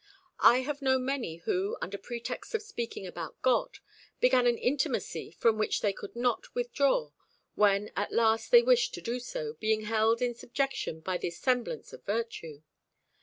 I have known many who, under pretext of speaking about God, began an intimacy from which they could not withdraw when at last they wished to do so, being held in subjection by this semblance of virtue.